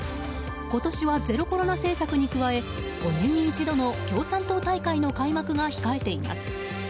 今年は、ゼロコロナ政策に加え５年に一度の共産党大会の開幕が控えています。